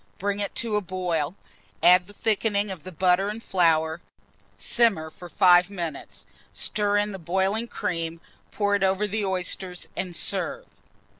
Bring it to a boil, add the thickening of butter and flour, simmer for 5 minutes, stir in the boiling cream, pour it over the oysters, and serve.